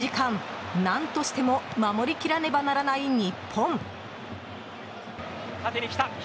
この時間、何としても守り切らねばならない日本。